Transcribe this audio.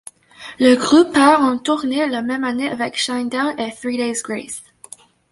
Le groupe part en tournée la même année avec Shinedown et Three Days Grace.